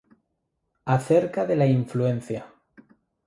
Acerca de la influenza